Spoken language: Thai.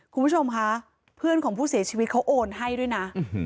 คุณผู้ชมคะเพื่อนของผู้เสียชีวิตเขาโอนให้ด้วยนะ